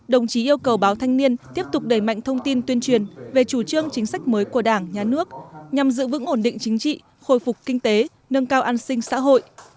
đồng chí yêu cầu báo thanh niên tiếp tục đẩy mạnh thông tin tuyên truyền về chủ trương chính sách mới của đảng nhà nước nhằm giữ vững ổn định chính trị khôi phục kinh tế nâng cao an sinh xã hội